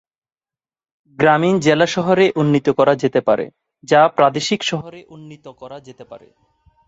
গ্রামীণ জেলা শহরে উন্নীত করা যেতে পারে, যা প্রাদেশিক শহরে উন্নীত করা যেতে পারে।